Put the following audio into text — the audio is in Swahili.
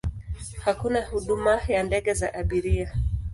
Hakuna huduma ya ndege za abiria.